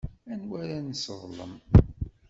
Anwa ara nesseḍlem?